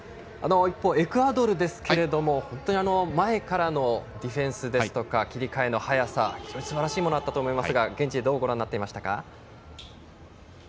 エクアドルですけれども本当に前からのディフェンスや切り替えの早さ非常にすばらしいものがあったかと思いますが現地でどうご覧になっていましたか？